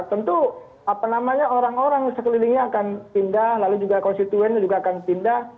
tentu orang orang sekelilingnya akan pindah lalu juga konstituennya juga akan pindah